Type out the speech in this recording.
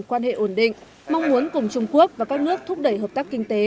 quan hệ ổn định mong muốn cùng trung quốc và các nước thúc đẩy hợp tác kinh tế